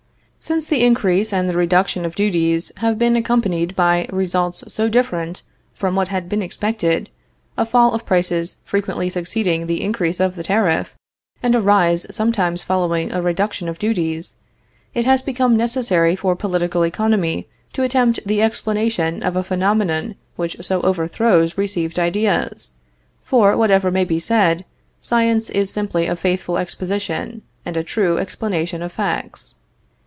Since the increase and the reduction of duties have been accompanied by results so different from what had been expected, a fall of prices frequently succeeding the increase of the tariff, and a rise sometimes following a reduction of duties, it has become necessary for political economy to attempt the explanation of a phenomenon which so overthrows received ideas; for, whatever may be said, science is simply a faithful exposition and a true explanation of facts.